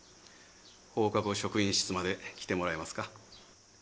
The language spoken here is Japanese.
放課後職員室まで来てもらえますか？